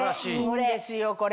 いいんですよこれ。